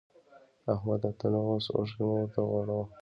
احمده! ته نو اوس اوښکی مه ورته غوړوه.